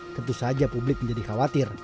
tentu saja publik menjadi khawatir